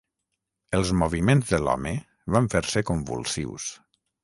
Els moviments de l'home van fer-se convulsius.